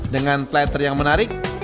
dengan plater yang menarik